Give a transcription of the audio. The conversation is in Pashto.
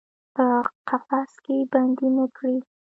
په قفس کې بندۍ نه کړي